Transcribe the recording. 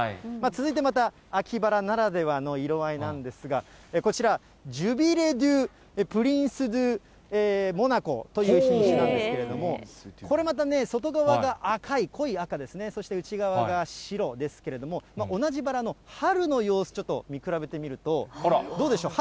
続いてまた秋バラならではの色合いなんですが、こちら、ジュビレ・デュ・プリンス・ドゥ・モナコという品種なんですけれども、これまたね、外側が赤い、濃い赤ですね、そして内側が白ですけれども、同じバラの春の様子、ちょっと見比べてみると、どうでしょう？